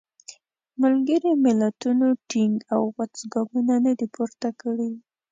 ملګري ملتونو ټینګ او غوڅ ګامونه نه دي پورته کړي.